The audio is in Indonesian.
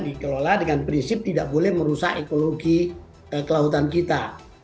dikelola dengan prinsip tidak boleh merusak ekologi kelautan kita